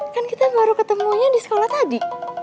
kan kita baru ketemunya di sekolah tadi